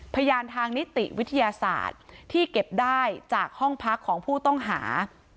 พยานทางนิติวิทยาศาสตร์ที่เก็บได้จากห้องพักของผู้ต้องหา